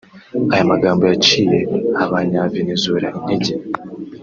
Aya magambo yaciye abanya Venezuela intege